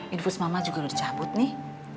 infus mama juga harus cabut nih